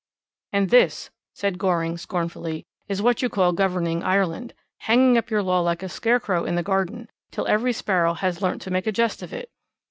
'And this,' said Goring scornfully, 'is what you call governing Ireland, hanging up your law like a scarecrow in the garden till every sparrow has learnt to make a jest of it.